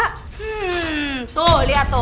hmm tuh liat tuh